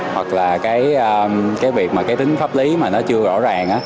hoặc là cái việc mà cái tính pháp lý mà nó chưa rõ ràng